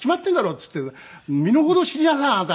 っつって「身の程を知りなさいあなた！」